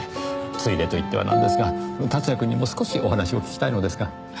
ついでと言ってはなんですが竜也くんにも少しお話を聞きたいのですが。